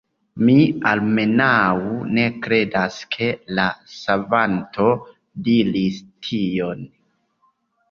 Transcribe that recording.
Mi, almenaŭ ne kredas ke la Savanto diris tion.